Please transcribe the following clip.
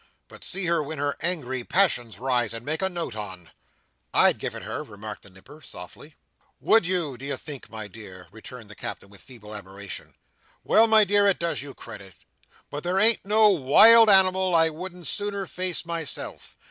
But see her when her angry passions rise—and make a note on!" "I'd give it her!" remarked the Nipper, softly. "Would you, do you think, my dear?" returned the Captain, with feeble admiration. "Well, my dear, it does you credit. But there ain't no wild animal I wouldn't sooner face myself.